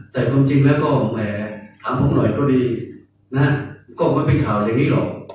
แต่จริงแล้วก็แหมถามผมหน่อยก็ดีนะก็มันเป็นข่าวอย่างนี้หรอก